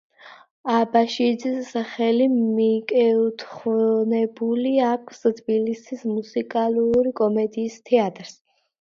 აბაშიძის სახელი მიკუთვნებული აქვს თბილისის მუსიკალური კომედიის თეატრს.